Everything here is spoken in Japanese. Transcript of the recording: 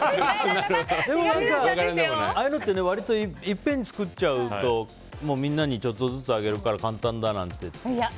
ああいうのっていっぺんに作っちゃうとみんなにちょっとずつあげるから簡単だなんて。